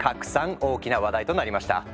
大きな話題となりました。